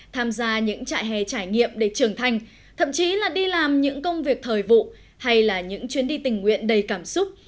tham gia những trại hè trải nghiệm để trưởng thành thậm chí là đi làm những công việc thời vụ hay là những chuyến đi tình nguyện đầy cảm xúc